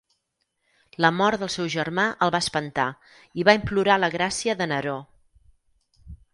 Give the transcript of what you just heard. La mort del seu germà el va espantar i va implorar la gràcia de Neró.